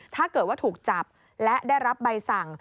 ถ้าเกิดว่าถูกจับและได้รับใบสั่ง